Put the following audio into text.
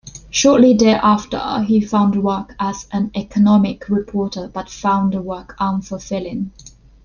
Shortly thereafter he found work as an economic reporter but found the work unfulfilling.